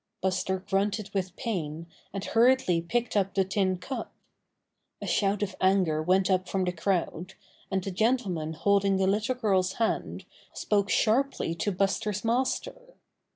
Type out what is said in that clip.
Buster grunted with pain and hurriedly picked up the tin cup. A shout of anger went up from the crowd, and the gentleman holding the little girl's hand spoke sharply to Buster's master.